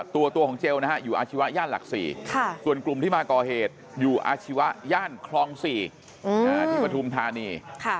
ตัวของเจลนะฮะอยู่อาชีวะย่านหลัก๔ส่วนกลุ่มที่มาก่อเหตุอยู่อาชีวะย่านคลอง๔ที่ปฐุมธานี